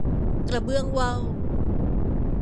กระเบื้องว่าว